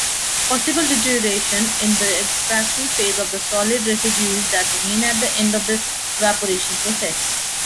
Possible deterioration in the extraction phase of the solid residues that remain at the end of the evaporation process.